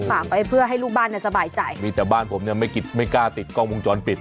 ฝากไว้เพื่อให้ลูกบ้านเนี้ยสบายใจมีแต่บ้านผมเนี่ยไม่กล้าติดกล้องวงจรปิด